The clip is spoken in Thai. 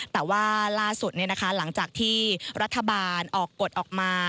แต่ว่าล่าสุดหลังจากที่รัฐบาลออกกฎออกมา